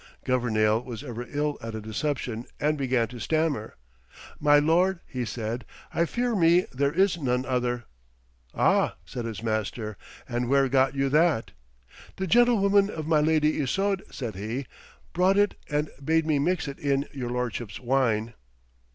Governale was ever ill at a deception, and began to stammer. 'My lord,' he said, 'I fear me there is none other.' 'Ah,' said his master, 'and where got you that?' 'The gentlewoman of my Lady Isoude,' said he, 'brought it and bade me mix it in your lordship's wine.'